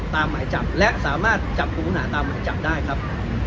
ตามหมายจับและสามารถจับคุณหาตามหมายจับได้ครับ